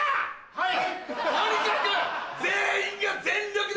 はい！